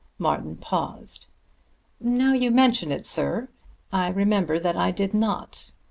Martin paused. "Now you mention it, sir, I remember that I did not.